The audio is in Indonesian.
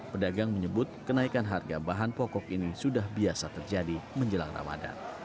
pedagang menyebut kenaikan harga bahan pokok ini sudah biasa terjadi menjelang ramadan